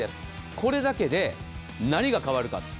これだけで何が変わるか。